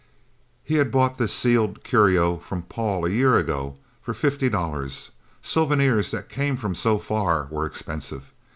He had bought this sealed curio from Paul a year ago for fifty dollars souvenirs that came from so far were expensive.